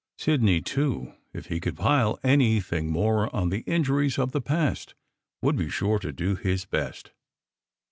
Sidney, too, if he could pile any thing more on the injuries of the past, would be sure to do his best.